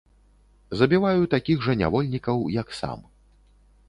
Забіваю такіх жа нявольнікаў, як сам.